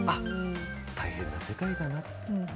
大変な世界だなと。